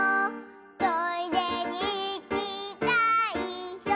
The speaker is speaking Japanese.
「トイレにいきたいよ」